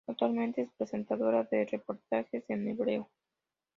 Actualmente es presentadora de reportajes en hebreo.